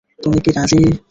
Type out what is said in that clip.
তুমি কি রাজি?